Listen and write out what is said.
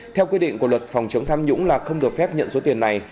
theo quy định của luật phòng chống tham nhũng là không được phép nhận số tiền này